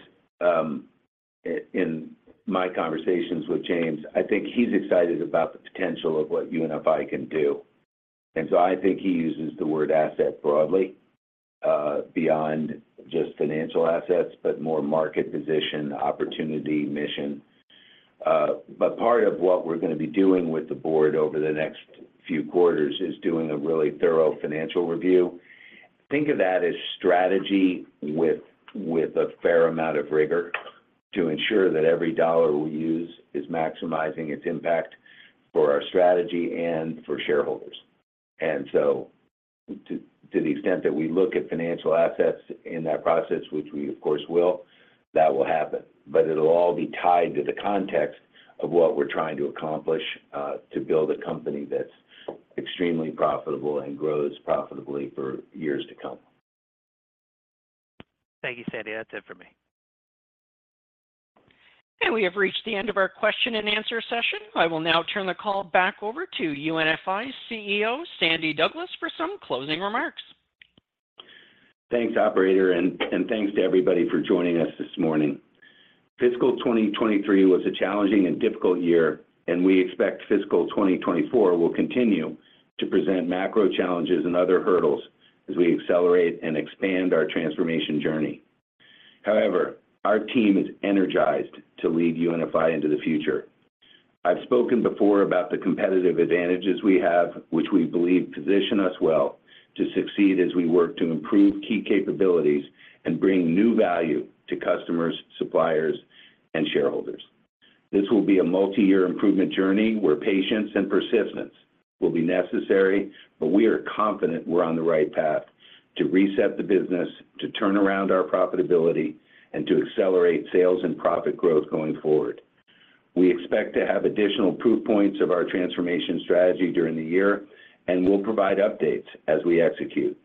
in my conversations with James, I think he's excited about the potential of what UNFI can do. And so I think he uses the word asset broadly, beyond just financial assets, but more market position, opportunity, mission. But part of what we're gonna be doing with the board over the next few quarters is doing a really thorough financial review. Think of that as strategy with a fair amount of rigor to ensure that every dollar we use is maximizing its impact for our strategy and for shareholders. To the extent that we look at financial assets in that process, which we, of course, will, that will happen, but it'll all be tied to the context of what we're trying to accomplish, to build a company that's extremely profitable and grows profitably for years to come. Thank you, Sandy. That's it for me. We have reached the end of our question-and-answer session. I will now turn the call back over to UNFI's CEO, Sandy Douglas, for some closing remarks. Thanks, operator, and thanks to everybody for joining us this morning. Fiscal 2023 was a challenging and difficult year, and we expect fiscal 2024 will continue to present macro challenges and other hurdles as we accelerate and expand our transformation journey. However, our team is energized to lead UNFI into the future. I've spoken before about the competitive advantages we have, which we believe position us well to succeed as we work to improve key capabilities and bring new value to customers, suppliers, and shareholders. This will be a multiyear improvement journey where patience and persistence will be necessary, but we are confident we're on the right path to reset the business, to turn around our profitability, and to accelerate sales and profit growth going forward. We expect to have additional proof points of our transformation strategy during the year, and we'll provide updates as we execute.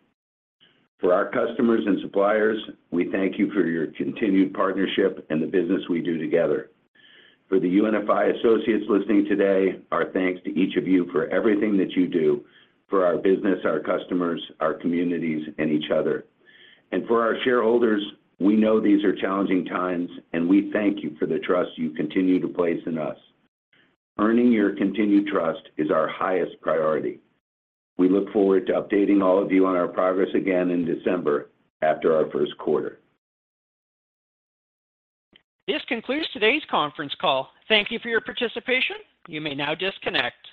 For our customers and suppliers, we thank you for your continued partnership and the business we do together. For the UNFI associates listening today, our thanks to each of you for everything that you do for our business, our customers, our communities, and each other. For our shareholders, we know these are challenging times, and we thank you for the trust you continue to place in us. Earning your continued trust is our highest priority. We look forward to updating all of you on our progress again in December, after our Q1. This concludes today's conference call. Thank you for your participation. You may now disconnect.